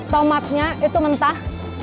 tomatnya itu mentah